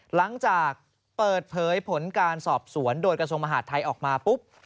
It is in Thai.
หลังจากเปิดเผยผลการสอบสวนโดยกระทรวงมหาดไทยออกมาปุ๊บ